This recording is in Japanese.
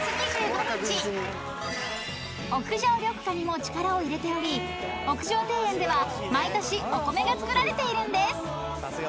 ［屋上緑化にも力を入れており屋上庭園では毎年お米が作られているんです］